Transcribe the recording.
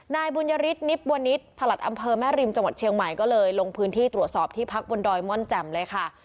นายบุญยฤทธนิบวนิษฐ์ประหลัดอำเภอแม่ริมจังหวัดเชียงใหม่ก็เลยลงพื้นที่ตรวจสอบที่พักบนดอยม่อนแจ่มเลยค่ะ